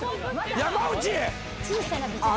山内！